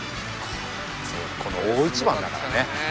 この大一番だからね。